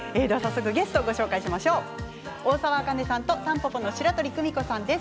ゲストは大沢あかねさんとたんぽぽの白鳥久美子さんです。